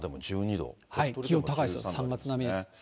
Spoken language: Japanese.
気温高いですよ、３月並みです。